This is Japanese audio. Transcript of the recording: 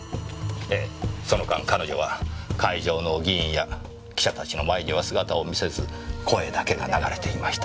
ええその間彼女は会場の議員や記者たちの前には姿を見せず声だけが流れていました。